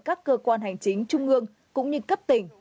các cơ quan hành chính trung ương cũng như cấp tỉnh